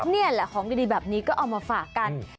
นี่แหละของดีแบบนี้ก็เอามาฝากกัน